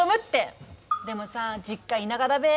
でもさ実家田舎だべ。